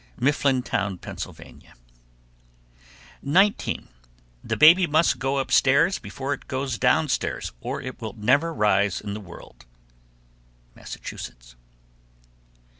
Mifflintown, Pa. 19. The baby must go upstairs before it goes downstairs, or it will never rise in the world. _Massachusetts.